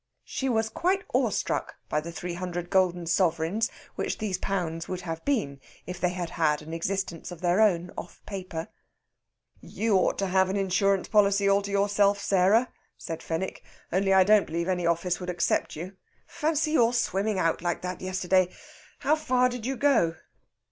She was quite awestruck by the three hundred golden sovereigns which these pounds would have been if they had had an existence of their own off paper. "You ought to have an insurance policy all to yourself, Sarah," said Fenwick. "Only I don't believe any office would accept you. Fancy your swimming out like that yesterday! How far did you go?"